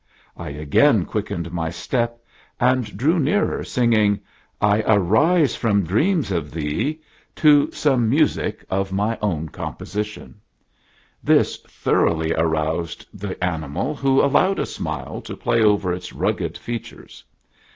I again quickened my step, and drew nearer, singing " I arise from Dreams of Thee " to some music of my i6 THE NEW SWISS FAMILY ROBINSON. own composition. This thoroughly aroused the ani mal, who allowed a smile to play over its rugged fea tures.